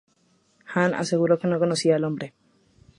Hahn aseguró que no conocía al hombre".